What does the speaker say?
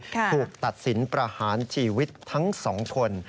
ถูกตัดสินประหารชีวิตทั้งสองคน